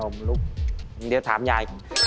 คือมา